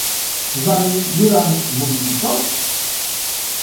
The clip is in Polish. "Żali Jurand mówił ci co?"